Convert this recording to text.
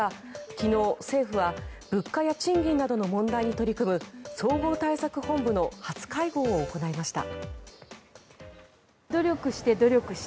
昨日、政府は物価や賃金などの問題に取り組む総合対策本部の初会合を行いました。